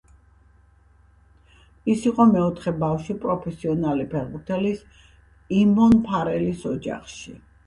ის იყო მეოთხე ბავშვი პროფესიონალი ფეხბურთელის, იმონ ფარელის, ოჯახში.